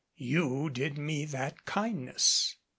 You did me that kindness."